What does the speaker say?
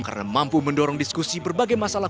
karena mampu mendorong diskusi berbagai masalah